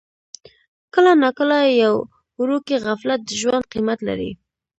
کله ناکله یو وړوکی غفلت د ژوند قیمت لري.